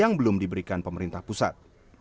yang belum diberikan pemerintah pusat